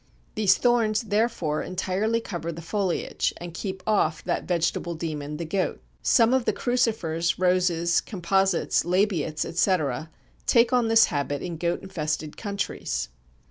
These thorns, therefore, entirely cover the foliage and keep off that vegetable demon the goat. Some of the Crucifers, Roses, Composites, Labiates, etc., take on this habit in goat infested countries.